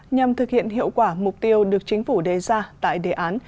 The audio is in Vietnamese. nhằm thực hiện hiệu quả mục tiêu được chính phủ đề ra tại đề án